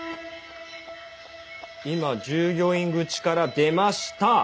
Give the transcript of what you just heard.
今従業員口から出ました。